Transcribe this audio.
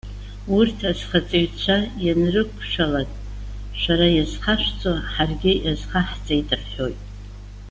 Урҭ, азхаҵаҩцәа ианрықәшәалак. Шәара иазхашәҵо ҳаргьы иазхаҳҵеит,- рҳәоит.